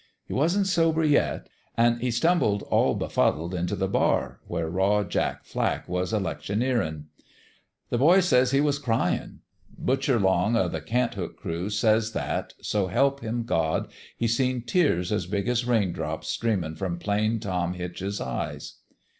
He wasn't sober yet ; an' he stumbled all befuddled into the bar, where Raw Jack Flack was electioneerin'. " The boys say he was cryin'. Butcher Long o' the Cant hook crew says that, so help him God ! he seen tears as big as rain drops streamin' from Plain Tom Hitch's eyes.